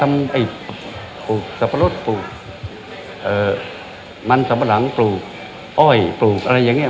ไอ้ปลูกสับปะรดปลูกมันสัมปะหลังปลูกอ้อยปลูกอะไรอย่างเงี้